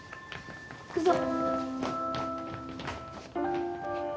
行くぞ。